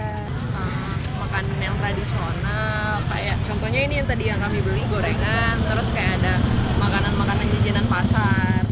terus kayak ada makanan makanan jijenan pasar